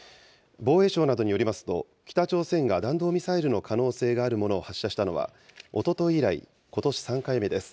防衛省などによりますと、北朝鮮が弾道ミサイルの可能性があるものを発射したのはおととい以来、ことし３回目です。